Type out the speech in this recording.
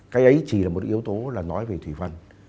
cái ấy chỉ là một yếu tố là nói về thủy văn